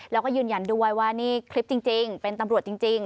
แล้วก็ยืนยันด้วยว่านี่คลิปจริงเป็นตำรวจจริง